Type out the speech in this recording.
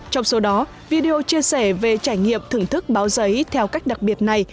trong số đó video chia sẻ về trải nghiệm thưởng thức báo giấy theo cách đặc biệt này